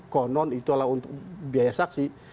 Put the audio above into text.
konon itu adalah untuk biaya saksi